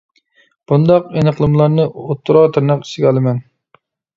بۇنداق ئېنىقلىمىلارنى ئوتتۇرا تىرناق ئىچىگە ئالىمەن.